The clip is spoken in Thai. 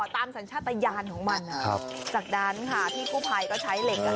ตามสัญชาตยานของมันครับจากด้านค่ะที่ผู้ภัยก็ใช้เหล็กอ่ะ